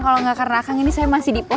kalau gak karena kang ini saya masih di posan